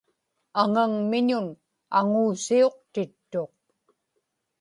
aŋaŋmiñun aŋuusiuqtittuq